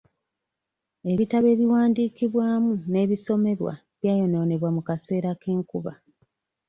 Ebitabo ebiwandiikibwamu n'ebisomebwa byayonoonebwa mu kaseera k'enkuba.